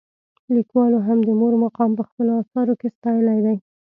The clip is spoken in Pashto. لیکوالو هم د مور مقام په خپلو اثارو کې ستایلی دی.